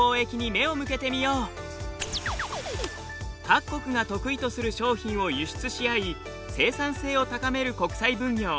各国が得意とする商品を輸出しあい生産性を高める国際分業。